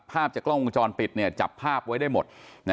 ภาพจากกล้องวงจรปิดจับภาพไว้ได้หมด